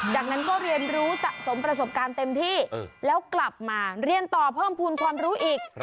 จากนั้นก็เรียนรู้สะสมประสบการณ์เต็มที่แล้วกลับมาเรียนต่อเพิ่มภูมิความรู้อีก